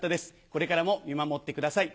これからも見守ってください。